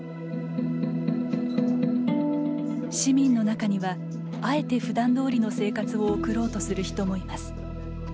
市民の中にはあえてふだんどおりの生活を送ろうとする人もいます。